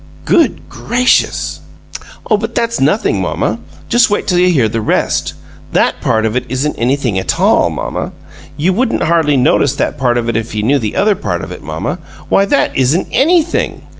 "Good gracious!" "Oh, but that's nothing, mamma just you wait till you hear the rest. THAT part of it isn't anything a TALL, mamma! You wouldn't hardly notice that part of it if you knew the other part of it, mamma. Why, that isn't ANYTHING!"